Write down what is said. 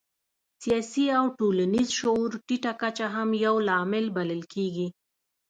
سیاسي او ټولنیز شعور ټیټه کچه هم یو لامل بلل کېږي.